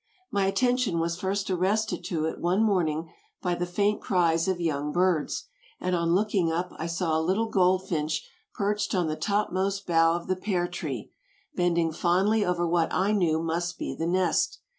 My attention was first arrested to it one morning by the faint cries of young birds, and on looking up I saw a little goldfinch perched on the topmost bough of the pear tree, bending fondly over what I knew must be the nest.